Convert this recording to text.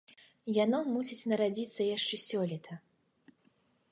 Яно мусіць нарадзіцца яшчэ сёлета.